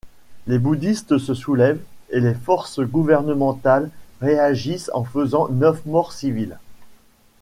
Les bouddhistes se soulèvent, et les forces gouvernementales réagissent en faisant neuf morts civils.